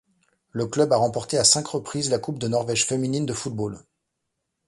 Le club a remporté à cinq reprises la coupe de Norvège féminine de football.